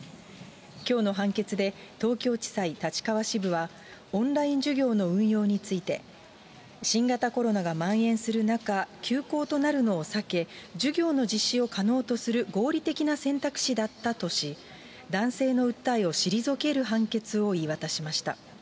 きょうの判決で、東京地裁立川支部は、オンライン授業の運用について、新型コロナがまん延する中、休校となるのを避け、授業の実施を可能とする合理的な選択肢だったとし、男性の訴えを退ける判決を言い渡しました。